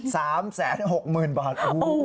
สามแสนหกหมื่นบาท